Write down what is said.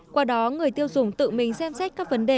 qua đó người tiêu dùng tự mình xem xét các vấn đề có tính đạo đức